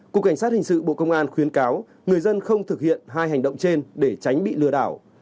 cục cảnh sát hình sự bộ công an khuyến cáo người dân không thực hiện hai hành động trên để tránh bị lừa đảo